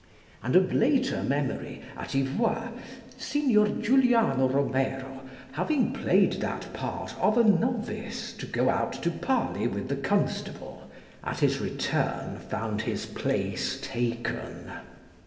And of later memory, at Yvoy, Signor Juliano Romero having played that part of a novice to go out to parley with the Constable, at his return found his place taken.